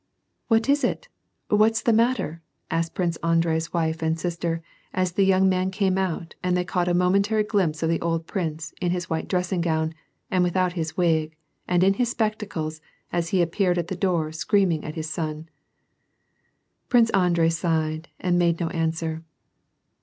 "What is it ? what's the matter ?" asked Prince Andrei's wife and sister, as the young man came out, and they caught a momentary glimpse of the old prince, in his white dressing gown, and without his wig, and in his spectacles, as he appeared at the door, screaming at his son. Prince Andrei sighed, and made no answer.